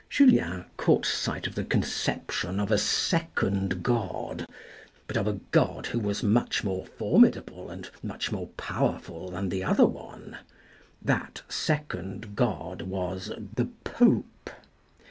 Julien caught sight of the conception of a second god, but of a god who was much more formid able and much more powerful than the other one. That second god was the Pope.